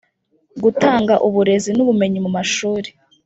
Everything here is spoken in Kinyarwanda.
Gutanga uburezi n ubumenyi mu mashuri